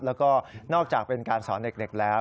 แล้วก็นอกจากเป็นการสอนเด็กแล้ว